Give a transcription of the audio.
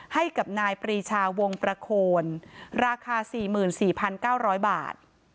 ให้กับนายปรีชาวงประโคนราคาสี่หมื่นสี่พันเก้าร้อยบาท